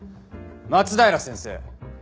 松平先生。